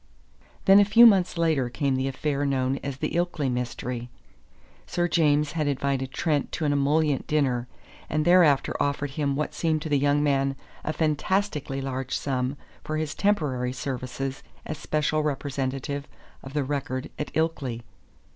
Then a few months later came the affair known as the Ilkley mystery. Sir James had invited Trent to an emollient dinner, and thereafter offered him what seemed to the young man a fantastically large sum for his temporary services as special representative of the Record at Ilkley.